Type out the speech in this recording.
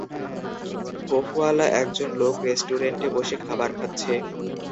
গোঁফওয়ালা একজন লোক রেস্টুরেন্টে বসে খাবার খাচ্ছে